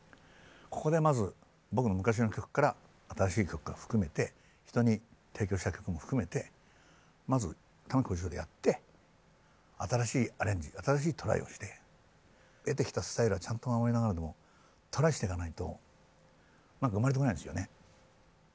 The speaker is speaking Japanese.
ここでまず僕の昔の曲から新しい曲から含めて人に提供した曲も含めてまず「玉置浩二ショー」でやって新しいアレンジ新しいトライをして得てきたスタイルはちゃんと守りながらでもトライしてかないと何か生まれてこないですよね。